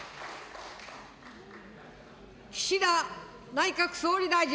岸田内閣総理大臣。